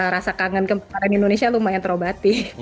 rasa kangen kemarin indonesia lumayan terobati